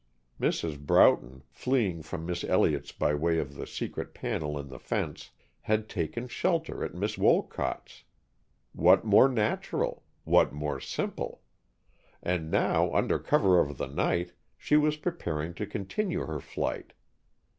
Mrs. Broughton, fleeing from Miss Elliott's by way of the secret panel in the fence, had taken shelter at Miss Wolcott's. What more natural? What more simple? And now, under cover of the night, she was preparing to continue her flight.